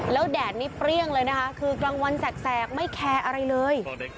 แล้วแดดนี้เปรี้ยงเลยนะคะคือกลางวันแสกไม่แคร์อะไรเลย